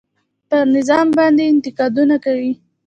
پر نظام باندې انتقادونه کوي.